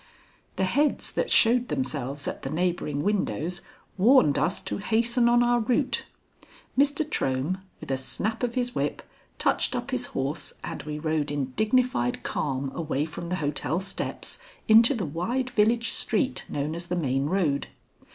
The heads that showed themselves at the neighboring windows warned us to hasten on our route. Mr. Trohm, with a snap of his whip, touched up his horse, and we rode in dignified calm away from the hotel steps into the wide village street known as the main road.